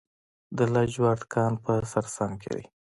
د لاجورد کان په سرسنګ کې دی